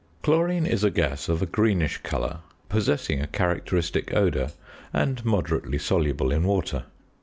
Chlorine is a gas of a greenish colour, possessing a characteristic odour, and moderately soluble in water.